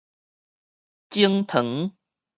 種傳